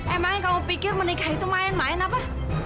emangnya kau pikir menikah itu main main apa